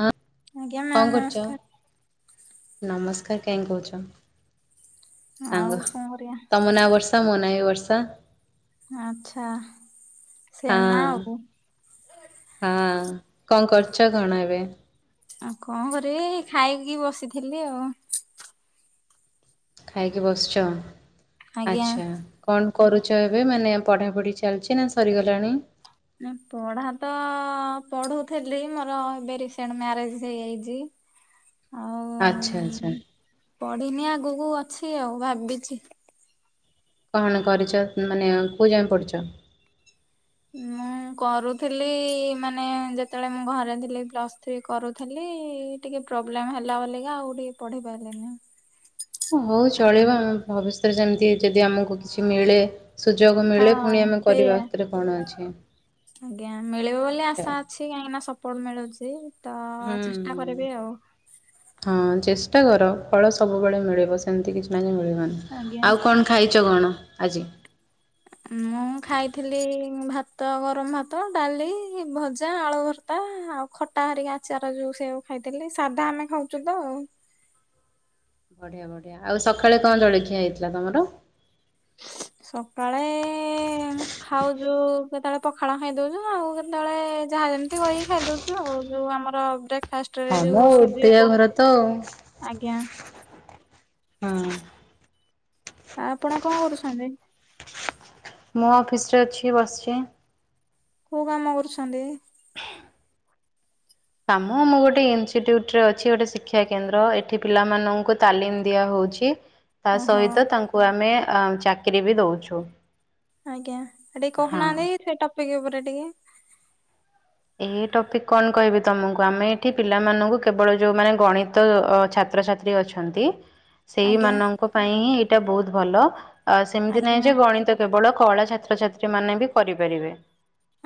ହଁ ଆଜ୍ଞା ମ୍ୟାମ୍ କଣ କରୁଛ ନମସ୍କାର। ନମସ୍କାର୍ କାହିଁ କୋହୁଛ ଆଉ କଣ କରିବା? ମନା ବର୍ଷା ମନା ଏ ବର୍ଷା ଆଛା ସେମି ନା ହଁ ଆବ ହଁ କଣ କରୁଛ କଣ ଏବେ? ଆଉ କଣ କରିବି ଖାଇକି ବସିଥିଲି ଆଉ ଖାଇକି ବସଛ ଆଜ୍ଞା। ଆଚ୍ଛା। କଣ କରୁଛ ଏବେ ମାନେ ପଢ଼ା ପଢ଼ି ଚାଲିଚି ନା ସରିଗଲାଣି? ପଢ଼ା ତ ପଢ଼ୁଥିଲି ମୋର ଏବେ ରିସେଣ୍ଟ ମ୍ୟାରେଜ ହେଇଯାଇଛି। ଆଉ ଆଚ୍ଛା ଆଚ୍ଛା। ପଢ଼ିନି ଆଗକୁ ଅଛି ଆଉ ଭାବିଚି। କଣ କରିଛ ମାନେ କୋଉ ଯାଏ ପଢ଼ିଛ? ମୁଁ ମୁଁ କରୁଥିଲି ମାନେ ଯେତେବେଳେ ମୁଁ ଘରେ ଥିଲି ପ୍ଲସ୍ଥ୍ରୀ କରୁଥିଲି ଟିକେ ପ୍ରୋବ୍ଲେମ୍ ହେଲା ବୋଲିକା ଆଉ ଟିକେ ପଢ଼ି ପାଇଲିନି। ହଉ ଚଳିବ ଆଉ ଭବିଷ୍ୟତରେ ଯେମିତି ଯଦି ଆମକୁ କିଛି ମିଳେ ସୁଯୋଗ ହଁ ମିଳେ ପୁଣି ଆମେ କରିବା ସେଇଆ। ସେଥିରେ କଣ ଅଛି ଆଜ୍ଞା ମିଳିବ ବୋଲି ଆଛା। ଆଶା ଅଛି କାହିଁକିନା ସପୋର୍ଟ ମିଳୁଛି। ତ ହୁଁ ଚେଷ୍ଟା କରିବି ହୁଁ। ଆଉ। ହଁ ଚେଷ୍ଟା କର ଫଳ ସବୁବେଳେ ମିଳିବ ସେମିତି କିଛି ନାଇଁ ଯେ ମିଳିବନି। ଆଜ୍ଞା। ଆଉ କଣ ଖାଇଛ କଣ ଆଜି? ମୁଁ ଖାଇଥିଲି ଭାତ ଗରମ ଭାତ ଡାଲି ଭଜା ଆଳୁଭର୍ତା ଆଉ ଖଟା ହରିକା ଆଚାର ଯୋଉ ସେଇଆକୁ ଖାଇଥିଲି ସାଧା ଆମେ ଖାଉଚୁ ତ। ବଢ଼ିଆ ବଢ଼ିଆ ଆଉ ସକାଳେ କଣ ଜଳଖିଆ ହେଇଥିଲା ତମର? [inaudible] ସକାଳେ ଖାଉଛୁ କେତେବେଳେ ପଖାଳ ଖାଇଦଉଛୁ ଆଉ କେତେବେଳେ ଯାହା ଯେମିତି ଘାଣ୍ଟି ଗୋଳେଇକି ଖାଇଦୋଉଛୁ ଆଉ ଯୋଉ ଆମର ବ୍ରେ ହଁ ମ ଓଟିଆ ଘର ତ ଆଉ। ଆଜ୍ଞା। ହଁ। ଆ ଆପଣ କଣ କରୁଛନ୍ତି? ମୁଁ ଅଫିସରେ ଅଛି ବସିଛି। କୋଉ କାମ କରୁଛନ୍ତି? କାମ ମୁଁ ଗୋଟେ ଇନସିଟିଟ୍ୟୁଟ ରେ ଅଛି ଗୋଟେ ଶିକ୍ଷା କେନ୍ଦ୍ର ଏଠି ପିଲାମାନଙ୍କୁ ତାଲିମ ଦିଆହଉଛି। ତା ଓହୋ। ସହିତ ତାଙ୍କୁ ଆମେ ଚାକିରୀ ବି ଦଉଛୁ। ଆଜ୍ଞା ଟିକେ ହଁ। କହୁନାହାନ୍ତି ସେ ଟପିକ ଉପରେ ଟିକେ। ଏଇ ଟପିକ କଣ କହିବି ତମକୁ ଆମେ ଏଠି ପିଲାମାନଙ୍କୁ କେବଳ ଯୋଉ ମାନେ ଗଣିତ ଛାତ୍ରଛାତ୍ରୀ ତ୍ରୀ ଅଛନ୍ତି। [inaudible] ସେଇମାନଙ୍କ ପାଇଁ ହିଁ ଏଇଟା ବହୁତ ଭଲ ଆ ସେମିତି ଆଜ୍ଞା ନାହିଁ ଯେ ଗଣିତ କେବଳ କଳା ଛାତ୍ରଛାତ୍ରୀ ମାନେ ବି କରିପାରିବେ।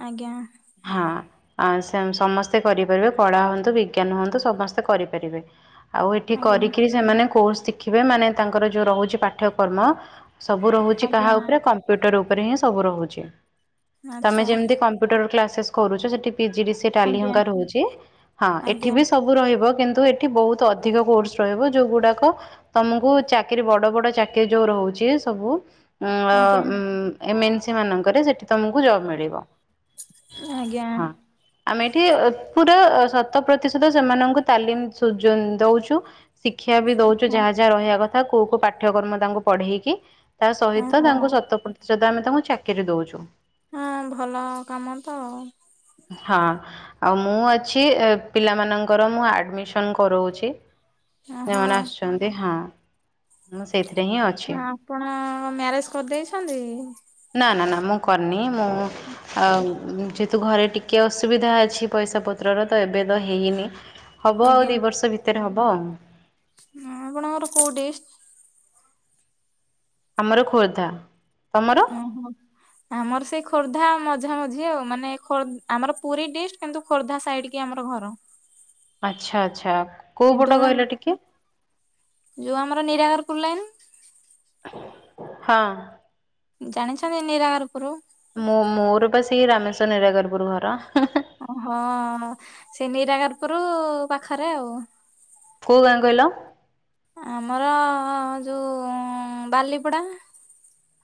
ଆଜ୍ଞା। ହଁ। ଆ ସମସ୍ତେ କରିପାରିବେ କଳା ହୁଅନ୍ତୁ ବିଜ୍ଞାନ ହୁଅନ୍ତୁ ସମସ୍ତେ କରିପାରିବେ। ଆଉ ଏଠି ଆଜ୍ଞା କରିକିରି ସେମାନେ କୋର୍ସ ଶିଖିବେ ମାନେ ତାଙ୍କର ଯୋଉ ରହୁଛି ପାଠ୍ୟକ୍ରମ। ସବୁ ରହୁଛି କାହା ଆଜ୍ଞା ଉପରେ କମ୍ପ୍ୟୁଟର ଉପରେ ହିଁ ସବୁ ରହୁଛି ତମେ ଆଚ୍ଛା। ଯେମିତି କ କମ୍ପୁଟର କ୍ଲାସେସ କରୁଚ ସେଠି P G D C A Tally ଆଜ୍ଞା ଘଇକା ରହୁଚି ହଁ ଏଠି ଆଜ୍ଞା ବି ସବୁ ସବୁ ରହିବ କିନ୍ତୁ ଏଠି ବହୁତ ଅଧିକ କୋର୍ସ ରହିବ ଯୋଉଁଗୁଡ଼ାକ ତମକୁ ଚାକିରି ବଡ ବଡ ଚାକିରୀ ଯୋଉ ରହୁଛି ସବୁ। ଉଁ ଅ ଆଜ୍ଞା ଉଁ ଏମ ଏନ ସି ମାନଙ୍କରେ ସେଠି ତମକୁ ଜବ ମିଳିବ। ଆଜ୍ଞା। ହଁ। ଆମେ ଏଠି ପୁରା ଶତ ପ୍ରତିଶତ ସେମାନଙ୍କୁ ତାଲିମ ସୁ ଦଉଛୁ। ଶିକ୍ଷା ବି ଦଉଛୁ ଯାହା ଯାହା ରହିବା କଥା କୋଉ କୋଉ ପାଠ୍ୟକ୍ରମ ତାଙ୍କୁ ପଢେଇକି। ତା ସହିତ ଓହୋ। ତାଙ୍କୁ ଶତ ପ୍ରତିଶତ ଆମେ ତାଙ୍କୁ ଚାକିରି ଦଉଛୁ। ଆଁ ଭଲ କାମ ତ ଆଉ। ହଁ। ଆଉ ମୁଁ ଅଛି ପିଲାମାନଙ୍କର ମୁଁ ଆଡମିସନ କରଉଛି। ହଁ ଯୋଉମାନେ ଆସୁଛନ୍ତି ହଁ ମୁଁ ସେଇଥିରେ ହିଁ ଅଛି। ହଁ ଆପଣ ମ୍ୟାରେଜ କରିଦେଇଛନ୍ତି। ନା ନା ନା ମୁଁ କରିନି ମୁଁ ଅ ଯେହେତୁ ଘରେ ଟି କେ ଅସୁବିଧା ଅଛି ପଇସା ପତ୍ରର ତ ଏବେ ତ ହେଇନି ହବ ଆଉ ଆଜ୍ଞା। ଦି ବର୍ଷ ଭି ତରେ ହବ ଆଉ। ହ ଆପଣଙ୍କର କୋଉ ଡିସ୍। ଆମର ଖୋର୍ଦ୍ଧା। ତମର ଓହୋ। ଆମର ସେଇ ଖୋର୍ଦ୍ଧା ମଝା ମଝି ଆଉ ମାନେ ଖୋ ଆମର ପୁରୀ ଡିଷ୍ଟ କିନ୍ତୁ ଖୋର୍ଦ୍ଧା ସାଇଡ କି ଆମର ଘର। ଆଚ୍ଛା ଆଚ୍ଛା। କୋଉ ପଟ କିନ୍ତୁ ମୁଁ କହିଲ ଟିକେ ଯୋଉ ଆମର ନିରାକାର ପୁର୍ ଲାଇନ୍। ହଁ। ଜାଣିଛନ୍ତି ନିରାହାରପୁର। ମୁଁ ମୋର ବା ସେ ରାମେଶ ନିରାକାରପୁର ଘର। ଓହଁ ସେଇ ନିରାକାରପୁର ପାଖରେ ଆଉ। କୋଉ ଗାଁ କହିଲ। ଆମର ଯୋଉ ବାଲିପଡା।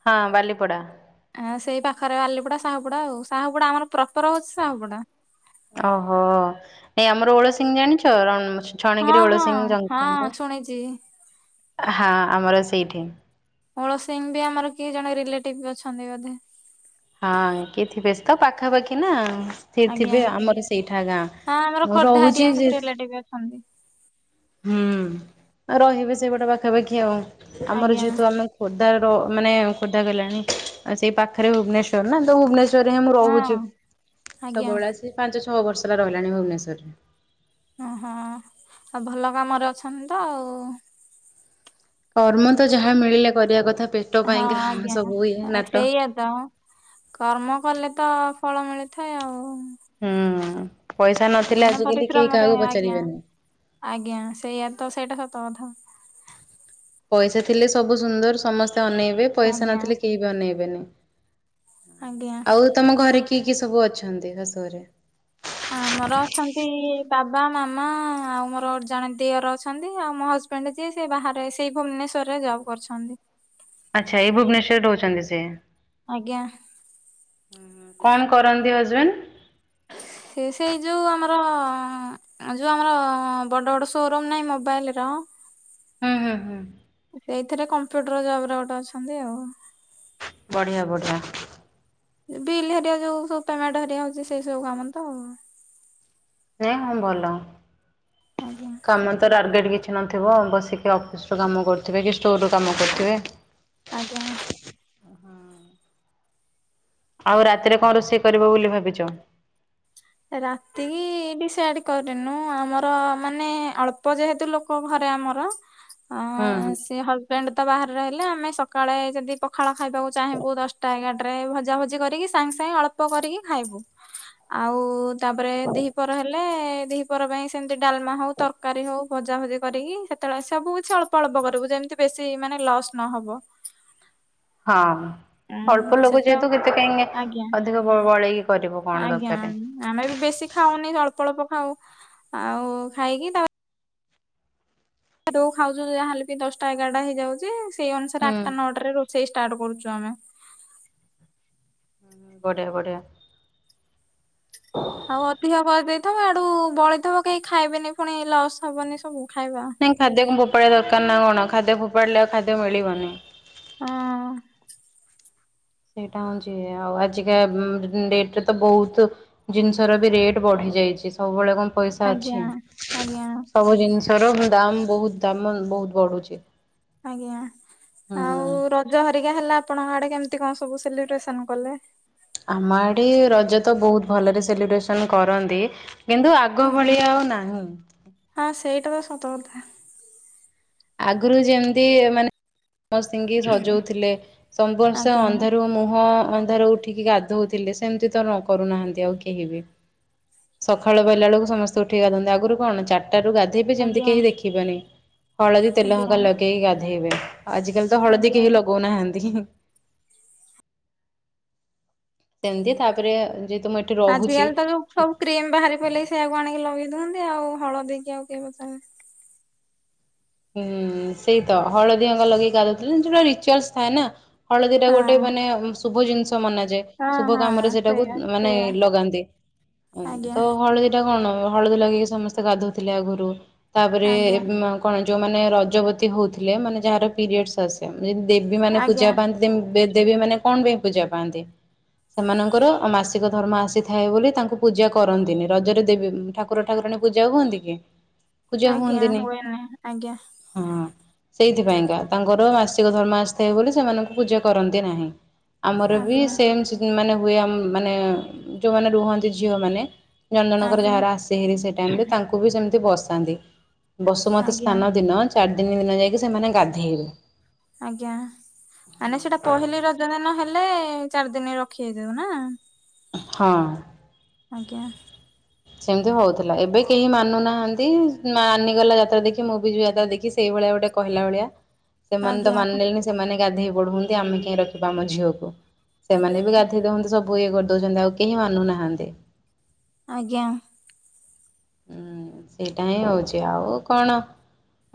ହଁ ବାଲିପଡା। ଆ ସେଇ ପାଖରେ ବାଲିପଡା ସାହୁପୁଡା ଆଉ ସାହୁପୁଡା ଆମର ପ୍ରପର ହଉଚି ସାହୁପଡା। ଓହୋ ନାଇଁ ଆମର ଓଳସିିଂ ଜାଣିଛ ରମ ହଁ ଛଣଗିରି ହଁ ଓଳସିଂ ହଁ ଜଙ୍କିକିଆ ଶୁଣିଛି। ହଁ ଆମର ସେଇଠି। ଓଳସିିଂ ବି ଆମର କିଏ ଜଣେ ରିଲେଟିଭ ଅଛନ୍ତି ବୋଧେ। ହଁ କି ଥିବେ ଶ ତ ପାଖାପାଖି ନା। ସେ ଆଜ୍ଞା। ଥିବେ ଆମର ସେଇଠା ଗାଁ ଆମର ମୁଁ ଖୋର୍ଦ୍ଧା ହେରିକା ରହୁଚି ସବୁ ଯେ ରିଲେଟିଭ ହଁ [unintelligible] ହୁଁ ରହିବେ ସେଇପଟେ ପାଖାପାଖି ଆଉ ଆମର ଆଜ୍ଞା ଯେହେତୁ ଆମେ ଖୋର୍ଦ୍ଧାର ମାନେ ଖୋର୍ଦ୍ଧା ଗଲାଣି ଅ ସେଇ ପାଖରେ ଭୁବନେଶ୍ଵର ନା ତ ଭୁବନେଶ୍ଵ ର ରେ ହିଁ ମୁଁ ରହୁଚି ହଁ। ଆଜ୍ଞା ସବୁବେଳେ ଆସି ପାଞ୍ଚ ଛଅ ବର୍ଷ ହେଲା ରହିଲାଣି ଭୁବନେଶ୍ୱରରେ। ଓହୋ ଆଉ ଭଲ କାମରେ ଅଛନ୍ତି ତ ଆଉ। କର୍ମ ତ ଯାହା ମିଳିଲା କରିବା କଥା ପେଟ ହଁ ପାଇଁକା ହ ଆଜ୍ଞା ସବୁ ଏଇ ନାଟ। ସେଇଆ ତ କର୍ମ କଲେ ତ ଫଳ ମିଳିଥାଏ ଆଉ। ହୁଁ ପଇସା ନଥିଲେ ବିନା ଆଜିକାଲି କେହି ପରିଶ୍ରମରେ କାହାକୁ ଆଜ୍ଞା ପଚାରିବେନି। ଆଜ୍ଞା ସେଇଆା ତ ସେଇଟା ସତ କଥା। ପଇସା ଥିଲେ ସବୁ ସୁନ୍ଦର ସମସ୍ତେ ଅନେଇବେ ପଇସା ଆଜ୍ଞା ନଥିଲେ କେହି ବି ଅନେଇବେନି। ଆଜ୍ଞା। ଆଉ ତମ ଘରେ କିଏ କିଏ ସବୁ ଅଛନ୍ତି ଶାଶୁ ଘରେ। ଆମର ଅଛନ୍ତି ବାବା ମାମା ଆଉ ମୋର ଗ ଜଣେ ଦିଅର ଅଛନ୍ତି ଆଉ ମୋ ହଜବେ ଣ୍ଡ ଯିଏ ସେ ବାହାରେ ସେଇ ଭୁବନେଶ୍ୱରରେ ଜବ୍ କରିଛନ୍ତି। ଆଚ୍ଛା ଏଇ ଭୁବନେଶ୍ୱରରେ ରହୁଛନ୍ତି ସିଏ। ଆଜ୍ଞା। କଣ କରନ୍ତି ହଜବେଣ୍ଡ। ସେ ସେଇ ଯୋଉ ଆମର ଯୋଉ ଆମର ବଡ ବଡ ସୋରୁମ ନାହିଁ ମୋବାଇଲ ର। ହୁଁ ହୁଁ ହୁଁ। ସେଇଥିରେ କମ୍ପ୍ୟୁଟର ଜବରେ ଗୋଟେ ଅଛନ୍ତି ଆଉ। ବଢିଆ ବଢିଆ। ବିଲ୍ ହରିଆ ଯୋଉ ସବୁ ପେମେଣ୍ଟ ହରିଆ ହଉଚି ସେଇ ସବୁ କାମ ତ ଆଉ। ନାଇଁ ହଁ ଭଲ। ଆଜ୍ଞା। କାମ ତ ଟାର୍ଗେଟ୍ କିଛି ନଥିବ ବସିକି ଅଫିସ୍ରୁ କାମ କରୁଥିବେ କି ଷ୍ଟୋରରୁୁ କାମ କରୁଥିବେ। ଆଜ୍ଞା। ଆଉ ରାତିରେ କଣ ରୋଷେଇ କରିବ ବୋଲି ଭାବିଚ। ରାତିକି ବିଡି ସାଇଡ କରିନୁ ଆମର ମାନେ ଅଳ୍ପ ଯେହେତୁ ଲୋକ ଘରେ ଆମର। ଅ ହୁଁ ହୁଁ। ସେିଏ ହ। ଫ୍ରେଣ୍ଡ ତ ବାହାରେହିଲେ ଆମେ ସକାଳେ ଯଦି ପଖାଳ ଖାଇବାକୁ ଚାହିଁବୁ ଦଶଟା ଏଗାରାରେ ଭଜାଭଜି କରିକି। ସାଙ୍ଗେ ସାଙ୍ଗେ ଅଳ୍ପ କରିକି ଖାଇବୁ। ଆଉ ତାପରେ ଦିହିପର ହେଲେ ଦିହିପର ପାଇଁ ସେମିତି ଡାଲମା ହଉ ତରକାରୀ ହଉ। ଭଜାଭଜି କରିକି ସେତେବେଳେ ସବୁ କିଛି ଅଳ୍ପ ଅଳ୍ପ କରିବୁ ଯେମିତି ବେଶୀ ମାନେ ଲସ୍ ନହବ। ହଁ ଉଁ ଅଳ୍ପ ସେ ଲୋକ ତ ଯେହେତୁ କେତେ କାହିଁକ ଆଜ୍ଞା ଅଧିକ ବଳେଇକି। କରିବ କଣ ଆଜ୍ଞା ଦରକାର। ଆମେ ବି ବେଶୀ ଖାଉନି ଅଳ୍ପ ଅଳ୍ପ ଖାଉ ଆଉ ଖାଇକି ତାପରେ। ଉ ଖାଉଛ ଯାହାହଲେ ବି ଦଶଟା ଏଗାରଟା ହେଇଯାଉଛି ସେଇ ଅନୁସାରେ ହୁଁ ଆଠଟା ନଅଟାାରେ ରୋ। ସେଇ ଷ୍ଟାର୍ଟ କରୁଛୁ ଆମେ। ବଢ଼ିଆ ବଢିଆ। ଆଉ ଅଧିକ କରିଦେଇଥବ ଆଡୁ ବଳିେଇଥିବ କେହି ଖାଇବେନି ପୁଣି ଲସ୍ ହବନି ସବୁ ଖାଇବା। ନାଇଁ ଖାଦ୍ୟ ଫୋପାଡି ଦର ନା କଣ ଖାଦ୍ୟ ଫୋପାଡିଲେ ଆଉ ଖାଦ ମିଳିବନି। ହଁ। ସେଇଟା ହଉଛି ଆଉ ଆଜିକା ଡେଟ ରେ ତ ବହୁତ। ଜିନିଷ ର ବି ରେଟ ବଢି ଯାଇଛି ସବୁବେଳେ କଣ ପଇସା ଆଜ୍ଞା ଅଛି ଆଜ୍ଞା ସବୁ ଜିନିଷ। ସର ଦାମ ବହୁତ ଦାମ ବହୁତ ବଢୁଛି। ଆଜ୍ଞା ହୁଁ। ଆଉ ରଜ ହରିକା ହେଲା ଆପଣଙ୍କ ଆଡେ କେମତି କଣ ସବୁ ସେଲିବ୍ରେସନ କଲେ। ଆମ ଆଡ଼େ ରଜ ତ ବହୁତ ଭଲରେ ସେଲିବ୍ରେସନ୍ କରନ୍ତି। କିନ୍ତୁ ଆଗ ଆଜ୍ଞା ଭଳି ଆଉ ନାହିଁ। ହଁ ସେଇଟା ତ ସତ କଥା ଆଗରୁ ଯେମିତି ମାନେ ସିଙ୍ଗି ସଜଉଥିଲେ ସବର୍ଷ ଆଜ୍ଞା ଅନ୍ଧାରୁରୁ ମୁହଁ ଅନ୍ଧାର ଉଠ ଟଠିକ ଗାଧୋଉଥିଲେ ସେମତି ତ ନ କରୁନାହାନ୍ତି ଆଉ କେହି ବି ସକାଳ ବଲା ବେଳକୁ ସମସ୍ତେ ଉଠେଇ ଗାଧନ୍ତି ଆଗରୁ କଣ ଚାରିଟା ରୁ ଗାଧେଇବେ ଯେମିତି ଆଜ୍ଞା କେହି ଦେଖିବେନି ହଳଦୀ ତେଲ ଆଜ୍ଞା ହଙ୍କା ଲଗେଇକି ଗାଧେଇବେ ଆଜିକାଲି ତ ହଳଦୀ ଆଜ୍ଞା। କେହି ଲଗଉନାହାନ୍ତି ସେମତି ତାପରେ ଯେ ତମେ ଆଜିକାଲି ତ ଯୋଉ ସବୁ କ୍ରିମ ବାହାରି ପାରିଲେଇି ସେଇଆକୁ ଆଣିକି ଲଗେଇ ଦିଅନ୍ତି ଆଉ ହଳଦୀକି ଆଉ କେହି ପଚାରନ୍ତି ହୁଁ ସେଇ ତ ହଳଦୀ ଅଙ୍ଗା ଲଗେଇି ଗାଧଉଥିଲେ ଯୋଉଟା ରିଚୁଆଲସ ଥାଏ ନା ହଳଦୀ ଟା ଗୋଟେ ହଁ। ମାନେ ଶୁଭ ଜିନିଷ ମନାଯାଏ ହଁ ଶୁଭ ହଁ କାମରେ ସେଟାକୁ ସେଇଆ ମାନେ ସେଇଆ ଲଗାନ୍ତି ଆଜ୍ଞା ତ ହଳଦୀ ଏଟା କଣ ହଳଦୀ ଲଗେଇକି ସମସ୍ତେ ଗାଧୁଥିଲେ ଆଗରୁ ତାପରେ ଆଜ୍ଞା କଣ ଯୋଉମାନେ ରଜବତୀ ହଉଥିଲେ ମାନେ ଯାହାର ପିରିୟଡସ ଆସେ ଯଦି ଦେବୀ ମାନେ ଆଜ୍ଞା ପୂଜା ପାଆନ୍ତି ଦେବୀ ମାନେ କଣ ପାଇଁ ପୂଜା ପାଆନ୍ତି। ସେମାନଙ୍କର ମାସିକ ଧର୍ମ ଆସିଥାଏ ବୋଲି ତାଙ୍କୁ ପୂଜା କରନ୍ତିନି ରଜରେ ଦେବୀ ଠାକୁ କୁକୁ ଠାକୁଣୀ ପୂଜା ହୁଅନ୍ତି କି ପୂଜା ଆଜ୍ଞା ହୁଅନ୍ତିନି। ହୁଏନି ଆଜ୍ଞା ହଁ ସେଇଥିପାଇଁକା ତାଙ୍କର ମାସିକ ଧର୍ମା ଆସିଥାଏ ବୋଲି ସେମାନଙ୍କୁ ପୂଜା କରନ୍ତି ନାହିଁ ଆମର ବି ଆଜ୍ଞା ସେମ ମାନେ ହୁଏ ମାନେ ଯୋଉମାନେ ରୁହନ୍ତି ଝିଅମାନେ ନନ୍ଦନକର ଆଜ୍ଞା ଯାହାର ଆସିେ ହେରି ସେ ଟାଇମ ରେ ତାଙ୍କୁ ବି ସେମିତି ବସାନ୍ତି ବ ସୁମତୀ ଆଜ୍ଞା ସ୍ନାନ ଦିନ ଚାରି ଦିନ ଦିନ ଯାଇକି ସେମାନେ ଗାଧେଇଲେ ଆଜ୍ଞା ମାନେ ସେଇଟା ପହିଲି ରଜ ଦିନ ହେଲେ ଚାରି ଦିନ ରଖି ହେଇଯିବ ନା ହଁ ଆଜ୍ଞା ସେମିତି ହଉଥିଲା ଏବେ କେହି ମାନୁନାହାନ୍ତି ମାନିଗଲା ଯାତ୍ରା ଦେଖି ମୁଁ ବି ଯ ଯାତ୍ରା ଦେଖି ସେଇଭଳିଆ ଗୋଟେ କହିଲା ଓଳିଆ ସେମାନେ ତ ଆଜ୍ଞା ମାନିଲେଲେନି ସେମାନେ ଗାଧେଇ ପଢ ହନ୍ତି ଆମେ କେହିଁ ରଖିବା ଆମ ଝିଅକୁ ଆଜ୍ଞା ସେମାନେ ବି ଗାଧେଇ ଦଉନ୍ତି ସବୁ ଇଏ କରିଦଉଛନ୍ତି ଆଉ କେହି ମାନୁନାହାନ୍ତି ଆଜ୍ଞା ହୁଁ ସେଇଟା ହିଁ ହଉଛି ଆଉ କଣ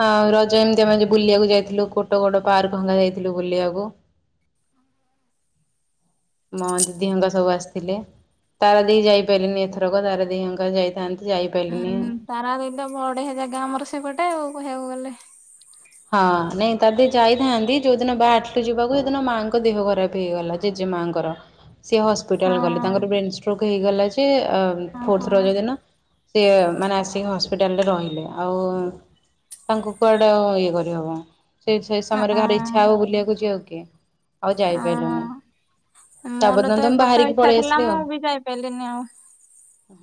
ହଁ ରଜ ଏମିତି ଆମେ ବୁଲିବାକୁ ଯାଇଥିଲୁ କୋଟ କୋଡ ପାର୍କ ଭଙ୍ଗା ଯାଇଥିଲୁ ବୁଲିବାକୁ। ମଁ ଦିଦି ହଙ୍କା ସବୁ ଆସିଥିଲେ, ତାରା ଦିହ ଯାଇପାରିଲିନି ଏଥରକ ତାରା ଦି ହଙ୍କା ଯାଇଥାନ୍ତି। ଯାଇପାରିଲିନି ଆଉ। ତାରା ଦୁଇଟ ବଢ଼େଇଆ ଜାଗା ଆମର ସେପଟେ ଆଉ କହିବାକୁ ଗଲେ। ହଁ ନାଇଁ ତା ଦେ ଯାଇଥାନ୍ତି ଯୋଉଦିନ ବାହାରିଥିଲୁ ଯିବାକୁ ସେଦିନ ମାଆଙ୍କ ଦେହ ଖରାପ ହେଇଗଲା। ଜେଜେମାଙ୍କର ସିଏ ହସ୍ପିଟାଲ ଗଲେ ହଁ ତାଙ୍କର ବ୍ରେନ ଷ୍ଟ୍ରୋକ ହେଇଗଲା ଯେ ଫୋଥ ହଁ ହଁ ରଜ ଦିନ ସେ ମାନେ ସେ ହସ୍ପିଟାଲରେ ରହିଲେ, ଆଉ ତାଙ୍କୁ କୁଆଡ଼େ ଇଏ କରିହବ। ସେ ସେ ସମୟରେ କାହାର ଇଚ୍ଛା ହବ ବୁଲିବାକୁ ଯିବା ଆଉ କି ଆଉ ଯାଇପାରିଲୁନି। ହଁ ମୋର ତାପରଦିନ ତ ଏ ମୁଁ ବର୍ଷ ବାହାରିକି ଇଚ୍ଛା ପଳେଇ ଥିଲା ଆସିଲି ଆଉ। ମୁଁ ବି ଯାଇପାରିଲିନି ଆଉ।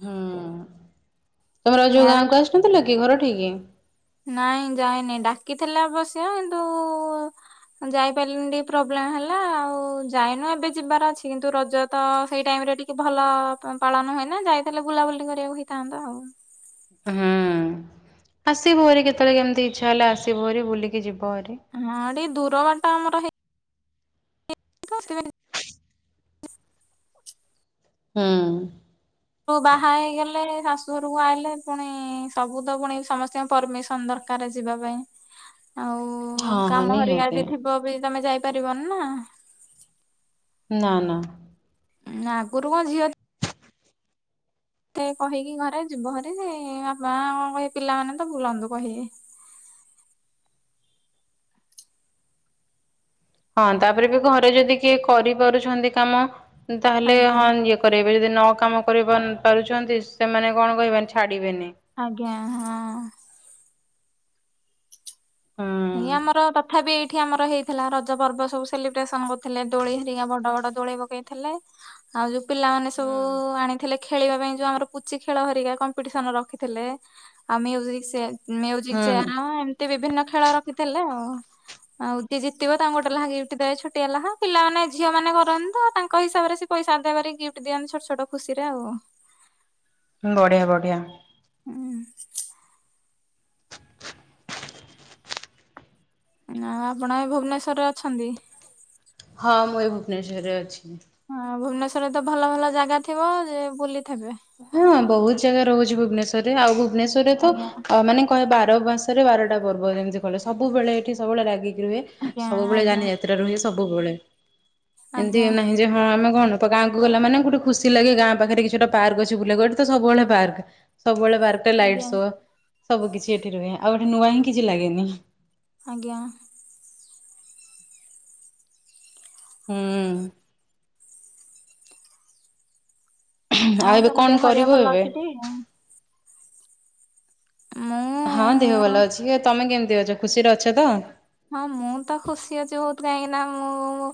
ହୁଁ ତମର ଯୋଉ ଗାଁ ମ୍ୟାରେଜ କ ଆସିନଥିଲ କି ଘର ଠିକି। ନାଇଁ ଯାଇନି ଡାକିଥିଲେ ଆବଶ୍ୟ କିନ୍ତୁ ଯାଇପାରିଲିନି ଟିକେ ପ୍ରୋବ୍ଲେମ ହେଲା ଆଉ ଯାଇନୁ ଏବେ ଯିବାର ଅଛି କିନ୍ତୁ ରଜ ତ ସେଇ ଟାଇମ ରେ ଟି କି ଭଲ ପାଳନ ହୁଏନା ଯାଇଲେ ବୁଲାବୁଲି କରିବାକୁ ହେଇଥାନ୍ତା ଆଉ। ହୁଁ ଆସିବୁ ଆରି କେତେବେଳେ କେମିତି ଇଚ୍ଛା ହେଲେ ଆସିବୁ ଆରି ବୁଲିକି ଯିବ ଭାରି। ହଁ ଟିକେ ଦୂର ବାଟ ଆମର ହେଇ ହଁ। ତୁ ବାହା ହେଇଗଲେ ଶାଶୁଘରକୁ ଆଇଲେ ପୁଣି ସବୁ ତ ପୁଣି ସମସ୍ତଙ୍କ ପରମିସନ୍ ଦର୍ ଆକାର ଯିବା ପାଇଁ ଆଉ ହଁ ହଁ କାମ ହାରିକା ନିହାତି ଯଦି ଥିବ ବି ତମେ ଯାଇପାରିବନି ନା। ନା। ଉଁ ଆଗରୁ ଙ୍କ ଝିଅ ତେ କହିକି ଘରେ ଯିବ ଭାରି ବାପା ମା [unintelligible] ପିଲାମାନେ ତ ବୁଲ [unintelligible] ହଁ ତାପରେ ବି ଘରେ ଯଦି କିଏ କରିପାରୁଛନ୍ତି କାମ ତାହେଲେ ଆଜ୍ଞା ହଁ ଇଏ କରେଇବେ ଯେଦି ନ କାମ କରିପାରୁଚନ୍ତି ସେମାନେ କଣ କହିବେ ଛାଡିବେନି। ଆଜ୍ଞା ହଁ। ହୁଁ। ଏଇ ଆମର ତଥାପି ଏଇ ଠି ଆମର ହେଇଥିଲା ରଜ ପର୍ବ ସବୁ ସେଲିବ୍ରେସନ କରୁଥିଲେ ଦୋଳି ହେରିକା ବଡ ବଡ ଦୋଳି ପକେଇଥିଲେ। ଆଉ ଯୋଉ ପିଲାମାନେ ସବୁ ଆଣିଥିଲେ ଖେଳିବା ପାଇଁ ଯୋଉ ଆମର ପୁଚି ଖେଳ ହେରିକା କମ୍ପିଟିସନ ରଖିଥିଲେ ଆ ମିଉଜିକ୍ ସେ ମିଉଜିକ ହୁଁ ଚେୟାର ଏମତି ବିଭିନ୍ନ ଖେଳ ରଖିଥିଲେ ଆଉ। ଆଉ ଯିଏ ଜିତିବ ତାଙ୍କୁ ଗୋଟେ ଲେଖା ଗିପ୍ଟ ଦେଏ ଛୋଟିଆଲା ପିଲାମାନେ ଝିଅ ମାନେ କରନ୍ତ ତାଙ୍କ ହିସାବରେ ସେ ପଇସା ଦେବାରେ ଗିଫ୍ଟ ଦିଅନ୍ତି ଛୋଟ ଛୋଟ ଖୁସିରେ ଆଉ। ବଢ଼ୀୟା ବଢ଼ୀୟା। ହୁଁ। ନା ଆପଣ ଏ ଭୁବନେଶ୍ଵର ରେ ଅଛନ୍ତି। ହଁ ମୁଁ ଏ ଭୁବନେଶ୍ୱର ରେ ଅଛି। ହଁ ଭୁବନେଶ୍ୱର ରେ ତ ଭଲ ଭଲ ଜାଗା ଥିବ ଯେ ବୁଲିଥେବେ ହଁ ବୋହୁତ ଜାଗା ରୋହୁଚି ଭୁବନେଶ୍ଵର ରେ ଆଉ ଭୁବନେଶ୍ୱର ରେ ତ ଆଜ୍ଞା ଅ ମାନେ କହେ ବାର ମାସରେ ବାରଟା ପର୍ବ ଯେମିତି କଇଲେ ସବୁବେଳେ ଏଠି ସବୁବେଳେ ରାଗିକି ରୁହେ। ଆଜ୍ଞା ସବୁବେଳେ ଆଜ୍ଞା ଜାନି ଯାତ୍ରା ରୁହେ ସବୁବେଳେ ଏମତି ଆଜ୍ଞା ନାହିଁ ଯେ ହଁ ଆମେ କଣ ତ ଗାଁକୁ ଗଲା ମାନ ଗୋଟେ ଖୁସି ଲାଗେ ଗାଁ ପାଖେରେ କିଛିଟା ପାର୍କ ଅଛି ବୁଲିଆକୁ ଏଠି ତ ସବୁବେଳେ ପାର୍କ ସବୁବେଳେ ପାର୍କରେ ଲାଇଟ୍ ଆଜ୍ଞା ସୋ ସବୁ କିଛି ଏଠି ରୁହେ ଆଉ ଏଠି ନୂଆ ହିଁ କିଛି ଲାଗେନି। ଆଜ୍ଞା। ହୁଁ। ଆଉ ଏବେ ତମ କଣ ଦେହ ହେରିଆ କରିବ ଭଲ ଏବେ? ଅଛି ଟି? ମୁଁ ହଁ ଦେହ ଭଲ ଅଛି, କି ତମେ କେମତି ଅଛ ଖୁସିରେ ଅଛ ତ? ହଁ ମୁଁ ତ ଖୁସି ଅଛି ଭୋଉତ୍ କାଇଁକି ନା ମୁଁ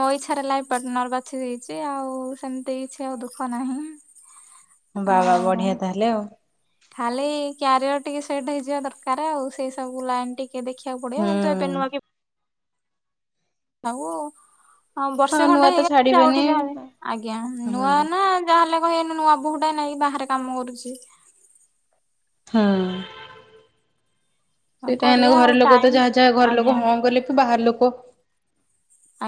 ମୋ ଇଚ୍ଛାରେ ଲାଇଫ୍ ପାର୍ଟନର ବା ବାଛି ଦେଇଛି ଆଉ ସେମତି କିଛି ଆଉ ଦୁଃଖ ନାହିଁ। ବାଃ ବାଃ ଆଉ ବଢ଼ିଆ ତାହେଲେ ଆଉ। ଖାଲି କ୍ୟାରିୟର ଟିକେ ସେଟ ହେଇଯିବା ଦରକାରେ ଆଉ ସେଇ ସବୁ ଲାଇନ୍ ଟି। କେ ଦେଖିଆକୁ ହୁଁ ପଡିବ କିନ୍ତୁ ଏବେ ନୂଆ କି? ଆଉ ହଁ ବର୍ଷେ ନୂଆ ଖଣ୍ଡେ ତ ହେଇଗଲେ ଛାଡିବେନି ଯାହାଗୋଟେ ଯାହାଲେ ଆଜ୍ଞା ହୁଁ ନୂଆ ହୁଁ ନା। ଯାହାହଲେ କହିବେନା ନୂଆ ବୋହୂ ଟା ନାଇଁ ବାହାରେ କାମ କରୁଚି। ହୁଁ ହଁ ସେଇଟା ହେନେ କରିବା ଘର ଆଉ ଲୋକ ତ ଟାଇମ ଯାହା ଯାହା ଘର ଲୋକ ଆଜ୍ଞା ହଁ କହିଲେ ତ ବାହାର ଲୋକ।